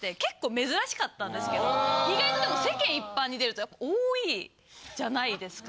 意外とでも世間一般に出るとやっぱ多いんじゃないですか？